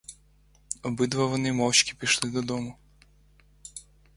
Обидва вони мовчки пішли додому.